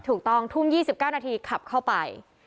ถูกต้องทุ่ม๒๙นาทีขับเข้าไป